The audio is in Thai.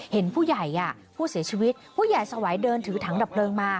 เห็นผู้ใหญ่ผู้เสียชีวิตผู้ใหญ่สวัยเดินถือถังดับเพลิงมา